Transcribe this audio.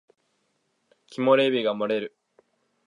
木漏れ日が漏れる